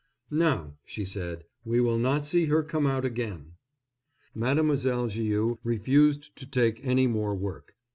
"Now," she said, "we will not see her come out again." Mademoiselle Viau refused to take any more work.